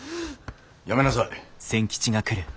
やめなさい。